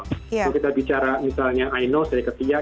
kalau kita bicara misalnya inos dari ketiga